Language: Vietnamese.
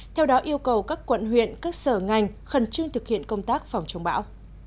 theo đó yêu cầu các quận huyện các sở ngành khẩn trương thực hiện công tác phòng chống bão